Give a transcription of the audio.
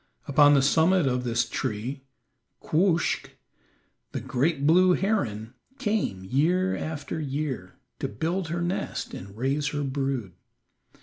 Upon the summit of this tree Quoskh, the great blue heron, came year after year to build her nest and raise her brood.